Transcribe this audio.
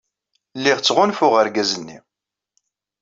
Lliɣ ttɣanfuɣ argaz-nni.